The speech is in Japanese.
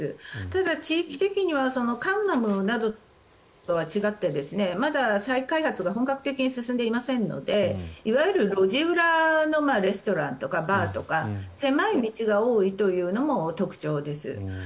ただ、地域的には江南などとは違ってまだ再開発が本格的に進んでいませんのでいわゆる路地裏のレストランとかバーとか狭い道が多いというのも特徴です。